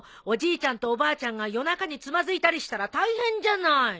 おじいちゃんとおばあちゃんが夜中につまずいたりしたら大変じゃない。